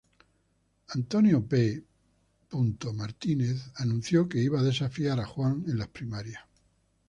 John Y. Brown, Sr. anunció que iba a desafiar a Johnson en las primarias.